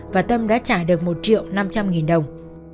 và tâm đã trả được một triệu năm trăm linh nghìn đồng